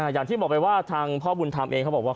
อย่างที่บอกไปว่าทางพ่อบุญธรรมเองเขาบอกว่า